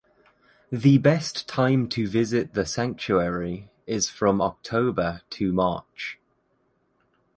The best time to visit the sanctuary is from October to March.